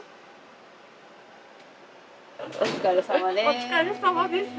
お疲れさまです。